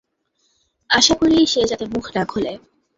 আশা করি সে যাতে মুখ না খোলে।